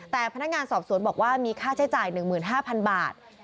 แต่พนักงานสอบสวนบอกว่ามีค่าใช้จ่าย๑๕๐๐๐บาท